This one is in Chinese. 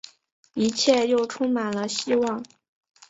一切又充满了希望